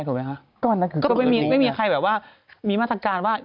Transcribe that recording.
แสดงว่าไม่มีใครแบบว่ามีมาตรการว่า